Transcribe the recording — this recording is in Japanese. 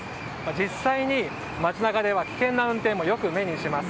実際に街中では危険な運転もよく目にします。